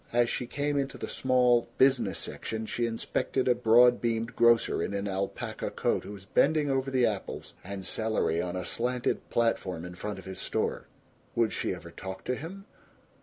As she came into the small business section she inspected a broad beamed grocer in an alpaca coat who was bending over the apples and celery on a slanted platform in front of his store. Would she ever talk to him?